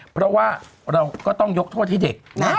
เพราะว่าเราก็ต้องยกโทษให้เด็ก